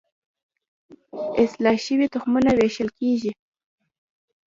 اصلاح شوي تخمونه ویشل کیږي.